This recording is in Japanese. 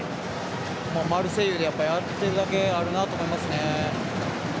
マルセイユでやっているだけあるなと思いますね。